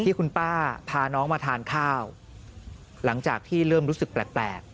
ที่คุณป้าพาน้องมาทานข้าวหลังจากที่เริ่มรู้สึกแปลก